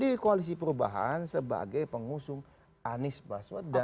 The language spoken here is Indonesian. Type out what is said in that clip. di koalisi perubahan sebagai pengusung anies baswedan